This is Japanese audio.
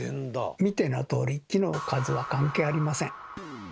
見てのとおり木の数は関係ありません。